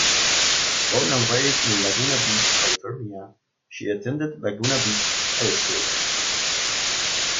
Born and raised in Laguna Beach, California, she attended Laguna Beach High School.